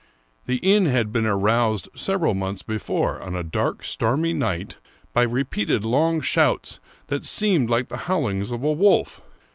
The inn had been aroused several months before, on a dark, stormy night, by repeated long shouts that seemed like the bowlings of a wolf.